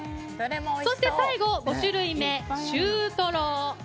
そして最後、５種類目シュートロ。